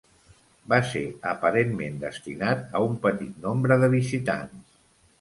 Va ser aparentment destinat a un petit nombre de visitants.